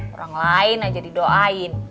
orang lain aja didoain